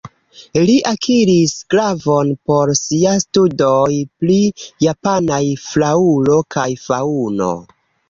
Li akiris gravon pro sia studoj pri japanaj flaŭro kaj faŭno.